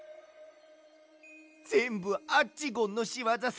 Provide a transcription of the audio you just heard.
ぜんぶアッチゴンのしわざさ。